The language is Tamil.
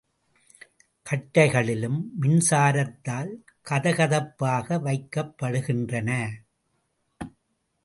கட்டைகளிலும் மின்சாரத்தால் கதகதப்பாக வைக்கப்படுகின்றன.